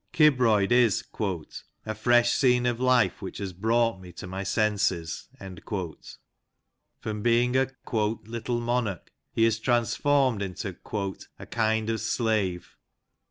Kibroyd is "a fresh scene of life which has brought me to my senses." From being a "little monarch" he is transformed into " a kind of slave."